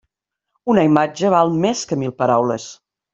Una imatge val més que mil paraules.